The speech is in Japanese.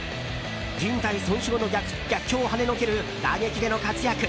じん帯損傷の逆境をはねのける打撃での活躍。